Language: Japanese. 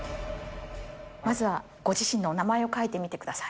まずは、ご自身のお名前を書いてみてください。